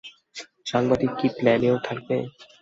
সাংবাদিক কী প্ল্যানেও থাকবে?